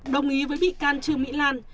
đồng ý với bị can trường mỹ lan